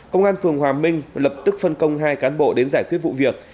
công an phường hòa minh lập tức phân công hai cán bộ đến giải quyết vụ việc